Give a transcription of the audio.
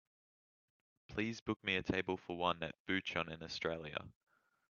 Please book me a table for one at Bouchon in Australia.